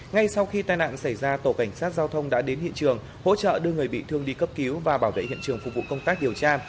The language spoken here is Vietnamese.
ngay sau khi tai nạn xảy ra tổ cảnh sát giao thông đã đến hiện trường hỗ trợ đưa người bị thương đi cấp cứu và bảo vệ hiện trường phục vụ công tác điều tra